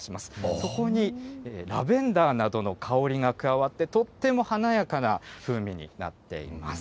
そこにラベンダーなどの香りが加わって、とっても華やかな風味になっています。